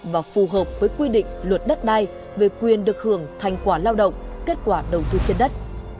và phù hợp với quy định luật đất đai về quyền được hưởng thành quả lao động kết quả đầu tư trên đất